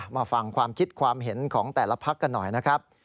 มาฟังความคิดความเห็นของแต่ละพักกันหน่อยนะครับ